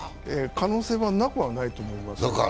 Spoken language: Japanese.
可能性はなくはないと思います。